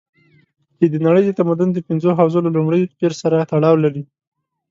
چې د نړۍ د تمدن د پنځو حوزو له لومړي پېر سره تړاو لري.